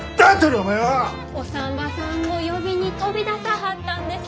お産婆さんを呼びに飛び出さはったんです。